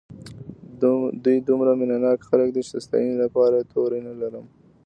دوی دومره مینه ناک خلک دي چې د ستاینې لپاره یې توري نه لرم.